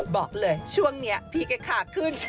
บอกเลยช่วงนี้พี่แกขาขึ้น